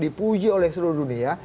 dipuji oleh seluruh dunia